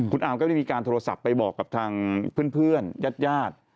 คุณอามก็ได้มีการโทรศัพท์ไปบอกกับทางเพื่อนญาติญาติ